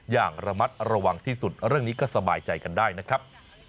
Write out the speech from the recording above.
อย่างระมัดระวังที่สุดเรื่องนี้ก็สบายใจกันได้นะครับ